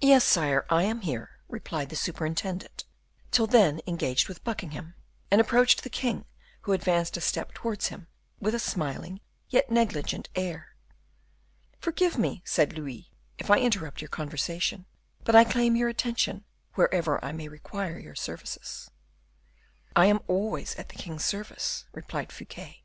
"Yes, sire, I am here," replied the superintendent, till then engaged with Buckingham, and approached the king, who advanced a step towards him with a smiling yet negligent air. "Forgive me," said Louis, "if I interrupt your conversation; but I claim your attention wherever I may require your services." "I am always at the king's service," replied Fouquet.